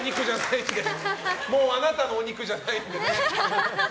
あなたのお肉じゃないんで。